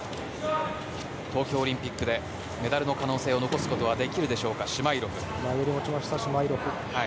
冬季オリンピックでメダルの可能性を残すことはできるかシュマイロフ。